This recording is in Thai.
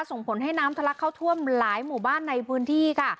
ส่งผลให้น้ำทะลักเข้าท่วมหลายหมู่บ้านในพื้นที่ค่ะ